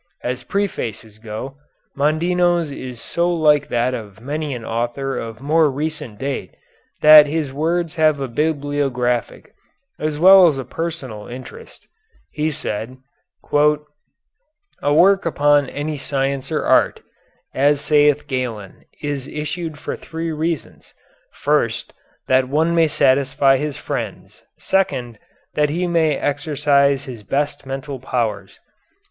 As prefaces go, Mondino's is so like that of many an author of more recent date that his words have a bibliographic, as well as a personal, interest. He said: "A work upon any science or art as saith Galen is issued for three reasons: first, that one may satisfy his friends. Second, that he may exercise his best mental powers.